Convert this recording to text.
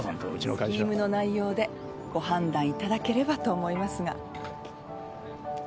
スキームの内容でご判断いただければと思いますが。